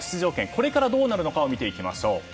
これからどうなるのかを見ていきましょう。